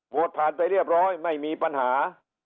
ผ่านไปเรียบร้อยไม่มีปัญหา